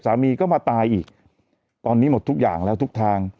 สามีก็มาตายอีกตอนนี้หมดทุกอย่างแล้วทุกทาง